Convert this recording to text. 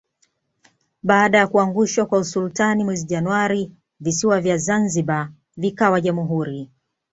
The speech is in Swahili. Baada ya kuangushwa kwa usultani mwezi Januari visiwa vya zanzibar vikawa Jamhuri